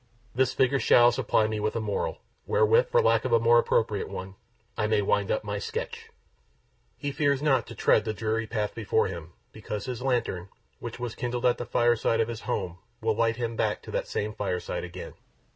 This figure shall supply me with a moral, wherewith, for lack of a more appropriate one, I may wind up my sketch. He fears not to tread the dreary path before him, because his lantern, which was kindled at the fireside of his home, will light him back to that same fireside again.